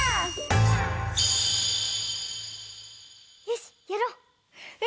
よしやろう。